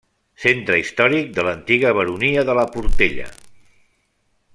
Centre històric de l'antiga baronia de la Portella.